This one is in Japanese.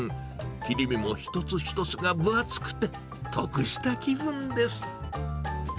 切り身も一つ一つが分厚くて、得した気分です。